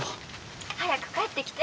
「早く帰ってきて。